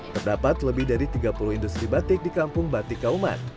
terdapat lebih dari tiga puluh industri batik di kampung batik kauman